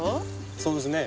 そうですね。